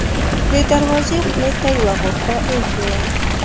د دروازې خولې ته یوه غرفه اېښې وه.